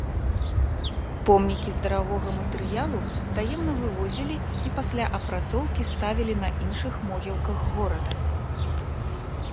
Помнікі з дарагога матэрыялу таемна вывозілі і пасля апрацоўкі ставілі на іншых могілках горада.